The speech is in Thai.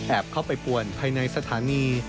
เข้าไปป่วนภายในสถานี